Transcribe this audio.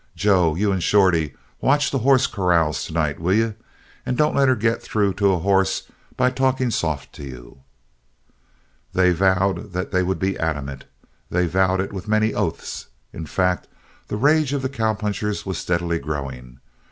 Joe, you and Shorty watch the hoss corrals to night, will you? And don't let her get through to a hoss by talking soft to you." They vowed that they would be adamant. They vowed it with many oaths. In fact, the rage of the cowpunchers was steadily growing.